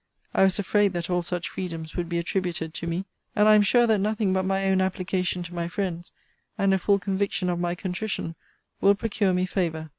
I was afraid that all such freedoms would be attributed to me. And I am sure that nothing but my own application to my friends, and a full conviction of my contrition, will procure me favour.